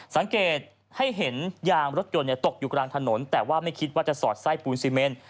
สังเกตให้เห็นยางรถยนต์ตกอยู่กลางถนนแต่ว่าไม่คิดว่าจะสอดไส้ปูนซีเมน